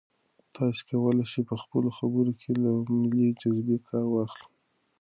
تاسي کولای شئ په خپلو خبرو کې له ملي جذبې کار واخلئ.